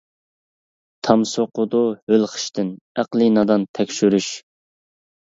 تام سوقىدۇ ھۆل خىشتىن، ئەقلى نادان تەكشۈرۈش.